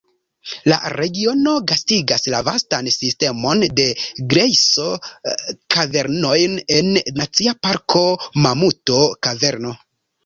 La regiono gastigas la vastan sistemon de grejso-kavernojn en Nacia Parko Mamuto-Kaverno.